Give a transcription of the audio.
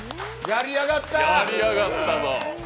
やりやがった！